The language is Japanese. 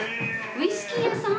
ウイスキー屋さん？